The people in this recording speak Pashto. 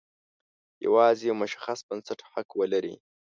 یوازې یو مشخص بنسټ حق ولري.